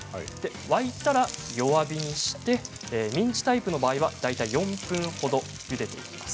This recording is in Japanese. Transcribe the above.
沸いたら弱火にしてミンチタイプの場合は大体４分ほどゆでます。